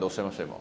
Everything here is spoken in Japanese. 今。